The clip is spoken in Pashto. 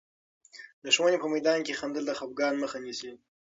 د ښوونې په میدان کې خندل، د خفګان مخه نیسي.